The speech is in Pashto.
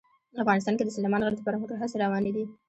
افغانستان کې د سلیمان غر د پرمختګ هڅې روانې دي.